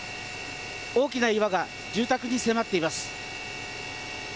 大きな岩が住宅に迫っています。